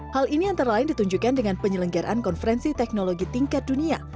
hal ini antara lain ditunjukkan dengan penyelenggaraan konferensi teknologi tingkat dunia